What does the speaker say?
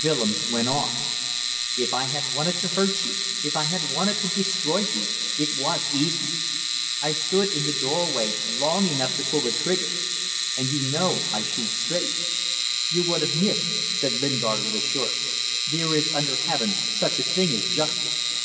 Willems went on "If I had wanted to hurt you if I had wanted to destroy you, it was easy. I stood in the doorway long enough to pull a trigger and you know I shoot straight." "You would have missed," said Lingard, with assurance. "There is, under heaven, such a thing as justice."